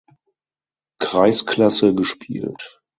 Kreisklasse gespielt.